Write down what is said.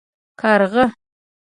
🐦⬛ کارغه